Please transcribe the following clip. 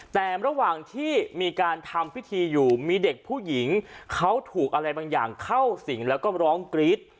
แต่ระหว่างที่มีการทำพิธีอยู่มีเด็กผู้หญิงเขาถูกอะไรบางอย่างเข้าสิงแล้วก็ร้องกรี๊ด